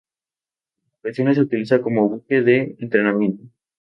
En ocasiones se utiliza como buque de entrenamiento.